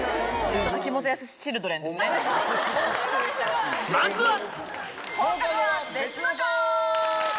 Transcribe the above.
まずは！